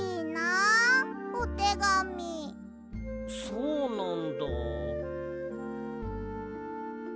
そうなんだ。